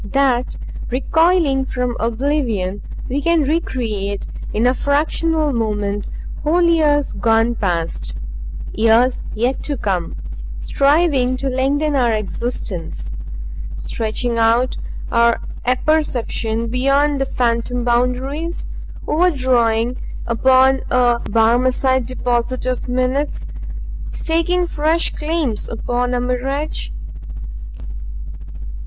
That, recoiling from oblivion, we can recreate in a fractional moment whole years gone past, years yet to come striving to lengthen our existence, stretching out our apperception beyond the phantom boundaries, overdrawing upon a Barmecide deposit of minutes, staking fresh claims upon a mirage?